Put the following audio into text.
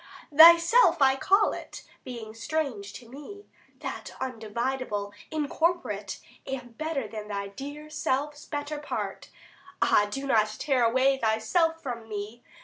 Thyself I call it, being strange to me, 120 That, undividable, incorporate, Am better than thy dear self's better part. Ah, do not tear away thyself from me!